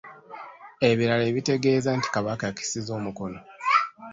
Ebirala ebitegeeza nti Kabaka akisizza omukono